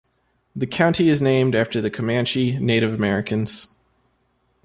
The county is named after the Comanche Native Americans.